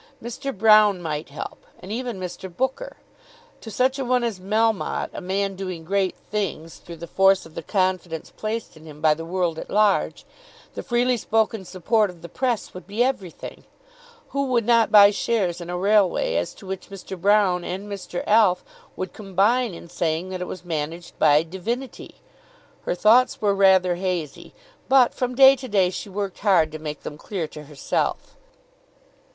Mr. Broune might help, and even Mr. Booker. To such a one as Melmotte, a man doing great things through the force of the confidence placed in him by the world at large, the freely spoken support of the Press would be everything. Who would not buy shares in a railway as to which Mr. Broune and Mr. Alf would combine in saying that it was managed by "divinity"? Her thoughts were rather hazy, but from day to day she worked hard to make them clear to herself.